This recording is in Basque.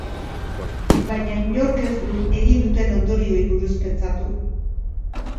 Baina, inork ez du egin duten ondorioei buruz pentsatu?